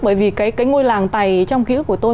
bởi vì cái ngôi làng tày trong ký ức của tôi